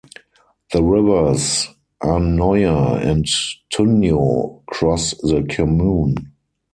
The rivers Arnoia and Tuño cross the commune.